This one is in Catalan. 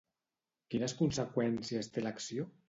Quines conseqüències té l'acció?